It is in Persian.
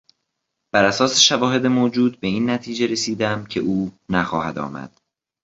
براساس شواهد موجود به این نتیجه رسیدم که او نخواهد آمد.